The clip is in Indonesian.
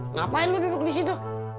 ngapain lo duduk disitu